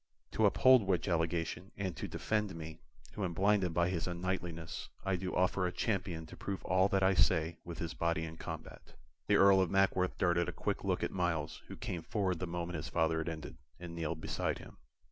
To uphold which allegation, and to defend me, who am blinded by his unknightliness, I do offer a champion to prove all that I say with his body in combat." The Earl of Mackworth darted a quick look at Myles, who came forward the moment his father had ended, and kneeled beside him.